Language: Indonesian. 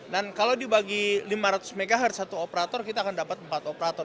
dan kalau dibagi lima ratus mhz satu operator kita akan dapat empat operator